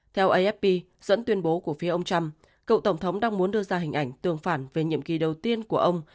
theo afp dẫn tuyên bố của phía ông trump cựu tổng thống đang muốn đưa ra hình ảnh tương phản về nhiệm kỳ đầu tiên của ông